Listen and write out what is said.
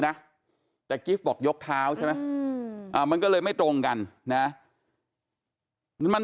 นะแต่กิฟต์บอกยกเท้าใช่ไหมมันก็เลยไม่ตรงกันนะมัน